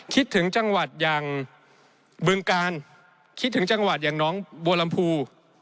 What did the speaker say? คิดถึงจังหวัดอย่างบึงกาลคิดถึงจังหวัดอย่างน้องบัวลำพู